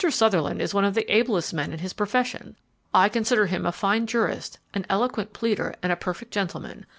Sutherland is one of the ablest men in his profession. I consider him a fine jurist, an eloquent pleader, and a perfect gentleman.